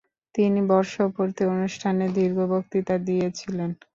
তিনি বর্ষপূর্তি অনুষ্ঠানে দীর্ঘ বক্তৃতা দিয়েছিলেন ।